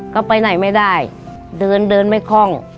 ก็ไปไหนไม่ได้เดินเดินไม่คล่อง